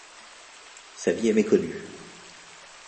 Sa vie est méconnue.